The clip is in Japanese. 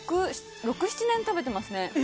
６７年食べてますね。